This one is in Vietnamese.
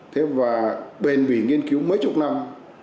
thế và bền bỉ nghiên cứu mấy chục năm